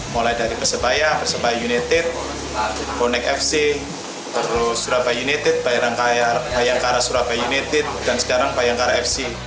mulai dari persebaya persebaya united bonek fc terus surabaya united bayangkara surabaya united dan sekarang bayangkara fc